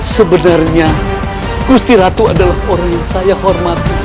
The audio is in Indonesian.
sebenarnya gusti ratu adalah orang yang saya hormati